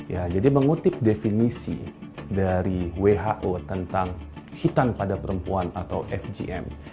ya jadi mengutip definisi dari who tentang hitam pada perempuan atau fgm